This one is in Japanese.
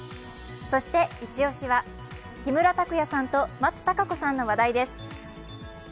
そしてイチ押しは木村拓哉さんと松たか子さんの話題です。